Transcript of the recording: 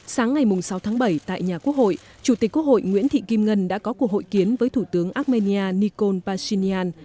sáng ngày sáu tháng bảy tại nhà quốc hội chủ tịch quốc hội nguyễn thị kim ngân đã có cuộc hội kiến với thủ tướng armenia nikol pashinyan